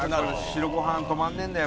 白ご飯止まんねえんだよ